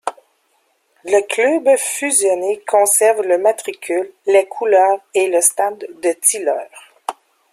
Le club fusionné conserve le matricule, les couleurs et le stade de Tilleur.